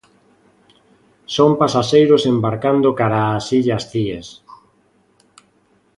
Son pasaxeiros embarcando cara ás illas Cíes.